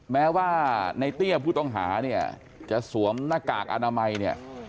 แม้ว่าในเตี้ยผู้ต้องหาจะสวมหน้ากากอนามัย